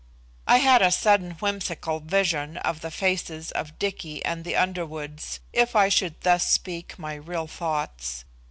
I had a sudden whimsical vision of the faces of Dicky and the Underwoods if I should thus speak my real thoughts.